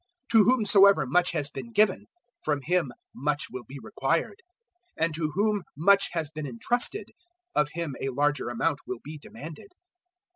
To whomsoever much has been given, from him much will be required; and to whom much has been entrusted, of him a larger amount will be demanded.